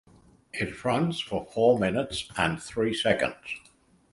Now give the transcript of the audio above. It runs for four minutes and three seconds.